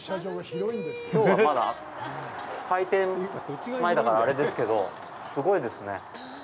きょうは、まだ開店前だからあれですけど、すごいですね。